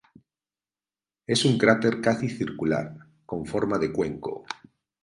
Es un cráter casi circular, con forma de cuenco.